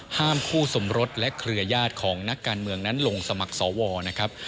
คู่สมรสและเครือญาติของนักการเมืองนั้นลงสมัครสวนะครับ